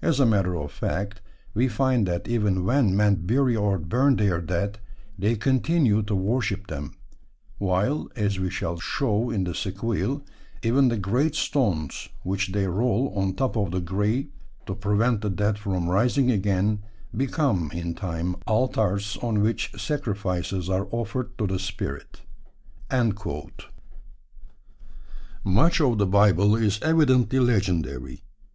As a matter of fact, we find that even when men bury or burn their dead, they continue to worship them; while, as we shall show in the sequel, even the great stones which they roll on top of the grave to prevent the dead from rising again become, in time, altars on which sacrifices are offered to the spirit. Much of the Bible is evidently legendary.